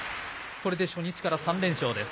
これで初日から３連勝です。